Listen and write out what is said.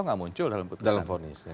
tidak muncul dalam vonis